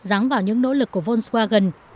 ráng vào những nỗ lực của volkswagen